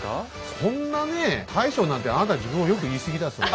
そんなねえ大将なんてあなた自分をよく言いすぎだそれ。